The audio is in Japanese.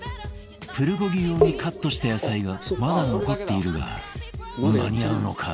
プルコギ用にカットした野菜がまだ残っているが間に合うのか？